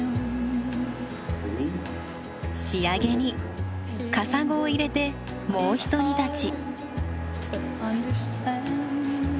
仕上げにカサゴを入れてもうひと煮立ち。